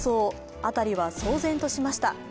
辺りは騒然としました。